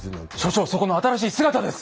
所長そこの新しい姿です！